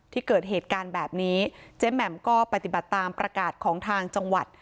ที่เกิดเหตุการณ์แบบนี้เจ๊แหม่มก็ปฏิบัติตามประกาศของทางจังหวัด